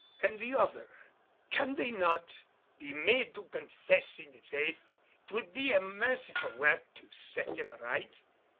"And the other? Can they not be made to confess in the Faith? 'Twould be a merciful work to set them aright."